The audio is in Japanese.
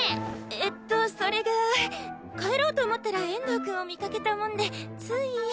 えっとそれが帰ろうと思ったら遠藤くんを見かけたもんでつい。